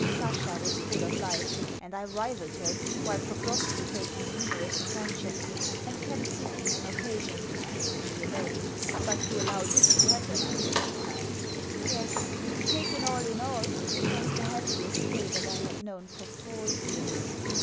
Sasha was full of life, and I rivalled her, while Pokrovski paid me numerous attentions, and kept seeking an occasion to speak to me alone. But to allow this to happen I refused. Yes, taken all in all, it was the happiest day that I had known for four years.